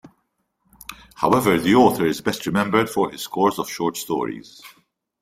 However, the author is best remembered for his scores of short stories.